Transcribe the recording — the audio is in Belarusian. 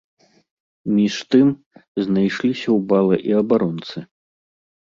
Між тым, знайшліся ў бала і абаронцы.